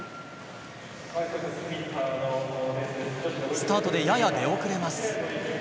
スタートで、やや出遅れます。